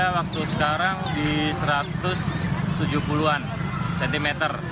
waktu sekarang di satu ratus tujuh puluh an cm